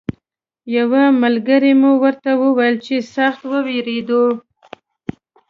یوه ملګري مو ورته ویل چې سخت ووېرېدو.